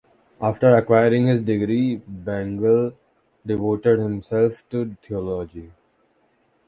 After acquiring his degree, Bengel devoted himself to theology.